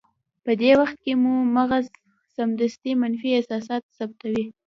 په دې وخت کې مو مغز سمدستي منفي احساسات ثبتوي.